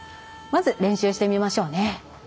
まず、練習してみましょうね。